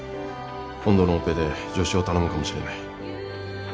今度のオペで助手を頼むかもしれない。